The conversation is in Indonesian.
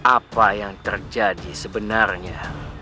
apa yang terjadi sebenarnya